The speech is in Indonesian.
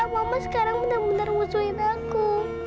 mama sekarang bener bener musuhin aku